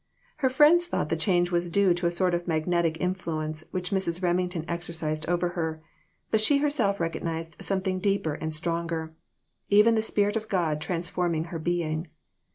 Her friends thought the change was due to a sort of magnetic influence which Mrs. Remington exercised over her, but she herself recognized something deeper and stronger even the Spirit of God transforming her being.